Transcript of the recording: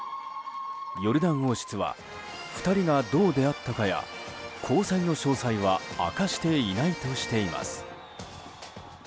ヨルダン王室は２人がどう出会ったかや交際の詳細は明かしていないとしています。